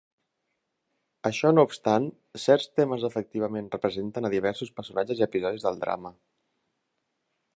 Això no obstant, certs temes efectivament representen a diversos personatges i episodis del drama.